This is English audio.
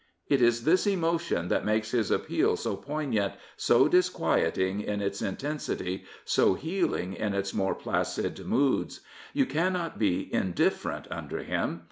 It is this emotion that makes his appeal so poignant, so disquieting in its intensity, so hewing in its more placid moods. You cannot be indifferent under him.